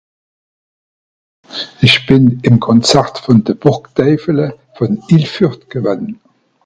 ìsch bìn ìm konzert vòn de (buchkt deifele) vòn (iffürt) gewann